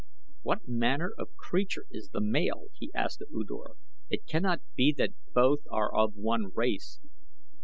"What manner of creature is the male?" he asked of U Dor. "It cannot be that both are of one race."